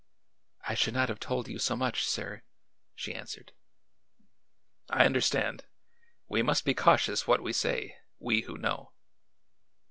"I should not have told you so much, sir," she answered. "I understand. We must be cautious what we say, we who know."